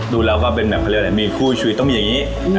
ดูแล้วว่าเป็นแบบเขาเรียกอะไรมีคู่ชีวิตต้องมีอย่างนี้